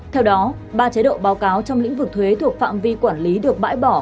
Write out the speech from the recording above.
theo đó ba chế độ báo cáo trong lĩnh vực thuế thuộc phạm vi quản lý được bãi bỏ